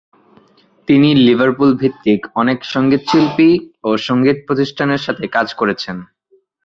তিনি লিভারপুল-ভিত্তিক অনেক সঙ্গীতশিল্পী ও সঙ্গীত-প্রতিষ্ঠানের সাথে কাজ করেছেন।